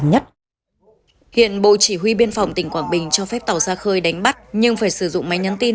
hiện bộ chỉ huy biên phòng tỉnh quảng bình cho phép tàu ra khơi đánh bắt nhưng phải sử dụng máy nhắn tin